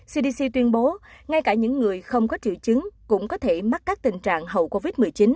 cdc tuyên bố ngay cả những người không có triệu chứng cũng có thể mắc các tình trạng hậu covid một mươi chín